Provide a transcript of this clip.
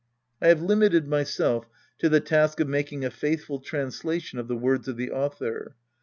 I have limited myself to the task of making a faithful translation of the words of the author.